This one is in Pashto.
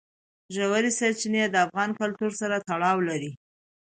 ژورې سرچینې د افغان کلتور سره تړاو لري.